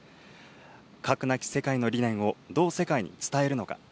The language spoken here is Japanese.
核なき世界の理念をどう世界に伝えるのか。